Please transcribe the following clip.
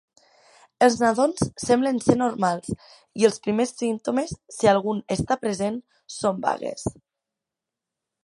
Els nadons semblen ser normals i els primers símptomes, si algun està present, són vagues.